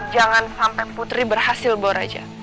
jangan sampai putri berhasil bawa raja